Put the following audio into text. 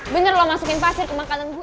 bener lo masukin pasir ke makanan gue